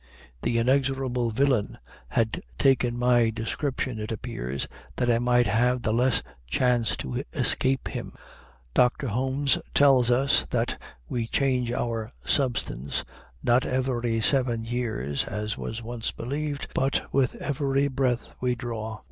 The inexorable villain had taken my description, it appears, that I might have the less chance to escape him. Dr. Holmes tells us that we change our substance, not every seven years, as was once believed, but with every breath we draw.